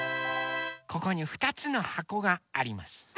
ここにふたつのはこがあります。